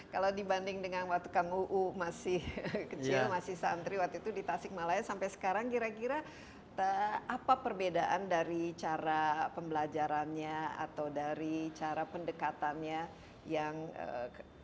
kalau dibanding dengan waktu kang uu masih kecil masih santri waktu itu di tasikmalaya sampai sekarang kira kira apa perbedaan dari cara pembelajarannya atau dari cara pendekatannya